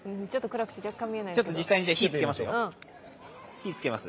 実際に火をつけます。